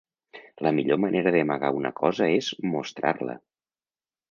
La millor manera d'amagar una cosa és mostrar-la.